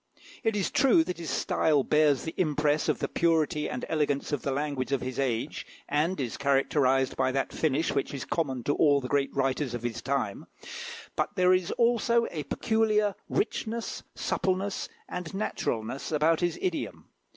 It is true that his style bears the impress of the purity and elegance of the language of his age, and is characterised by that finish which is common to all the great writers of his time; but there is also a peculiar richness, suppleness, and naturalness about his idiom.